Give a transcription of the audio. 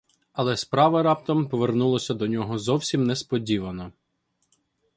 Але справа раптом повернулась до нього зовсім несподівано.